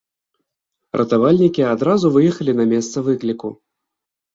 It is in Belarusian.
Ратавальнікі адразу выехалі на месца выкліку.